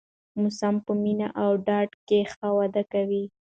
ماسوم په مینه او ډاډ کې ښه وده کوي.